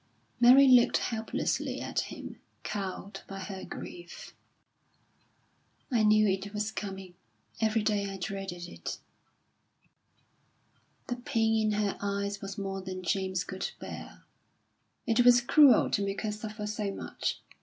Mary looked helplessly at him, cowed by her grief. "I knew it was coming. Every day I dreaded it." The pain in her eyes was more than James could bear; it was cruel to make her suffer so much.